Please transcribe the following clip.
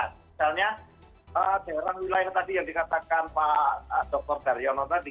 misalnya daerah wilayah tadi yang dikatakan pak dr daryono tadi